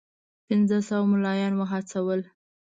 پنځه سوه مُلایان وهڅول.